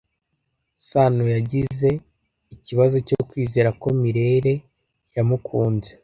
Sanoyagize ikibazo cyo kwizera ko Mirelle yamukunze.